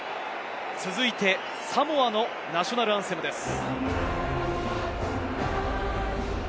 続いてサモアのナショナルアンセムです。